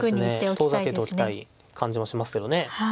そうですね遠ざけておきたい感じもしますけどね。